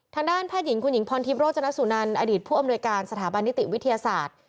ทางด้านแพทย์หญิงคุณหญิงพรทิพย์โรจนสุนันอดีตผู้อำนวยการสถาบันนิติวิทยาศาสตร์